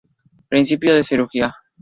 Principios de cirugía.